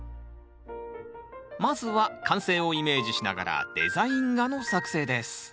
まずは完成をイメージしながらデザイン画の作成です